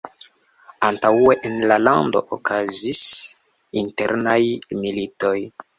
Antaŭe en la lando okazis internaj militoj.